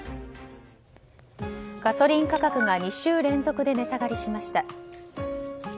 ガソリン価格が２週連続で値下がりしました。